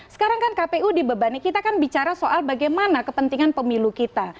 sekarang kan kpu dibebani kita kan bicara soal bagaimana kepentingan pemilu kita